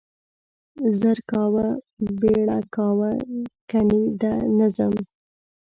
زر کاوه, بيړه کاوه کني ده نه ځم.